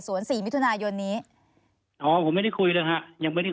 สี่มิถุนายนนี้อ๋อผมไม่ได้คุยเลยฮะยังไม่ได้